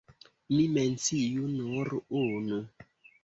Mi menciu nur unu.